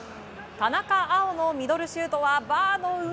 田中碧のミドルシュートはバーの上。